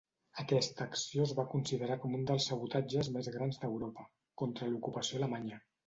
Aquesta acció es va considerar com un dels sabotatges més gran d'Europa, contra l'ocupació alemanya.